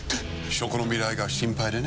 食の未来が心配でね。